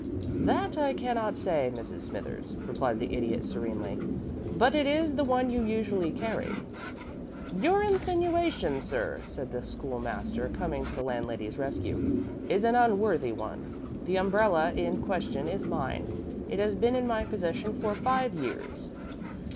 "That I cannot say, Mrs. Smithers," replied the Idiot, serenely, "but it is the one you usually carry." "Your insinuation, sir," said the School master, coming to the landlady's rescue, "is an unworthy one. The umbrella in question is mine. It has been in my possession for five years."